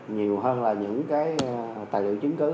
nhiều hơn là những cái tài liệu chứng cứ